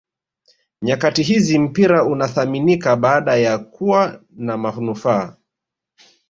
nyakati hizi mpira unathaminika baada ya kuwa na manufaa